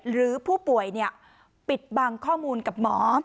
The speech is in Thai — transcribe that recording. หรือผู้ป่วยปิดบังข้อมูลกับหมอ